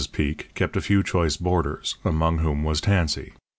Peek kept a few choice boarders, among whom was Tansey.